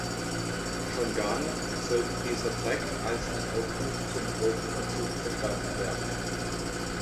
Schon gar nicht sollte dieser Track als ein „Aufruf zum Drogenkonsum“ verstanden werden.